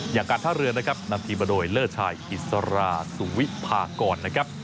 การท่าเรือนะครับนำทีมมาโดยเลิศชายอิสราสุวิพากรนะครับ